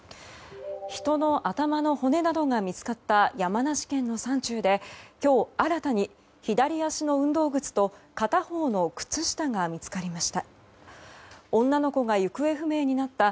人の頭の骨などが見つかった山梨県の山中で今日新たに、左足の運動靴と片方の靴下が見つかりました。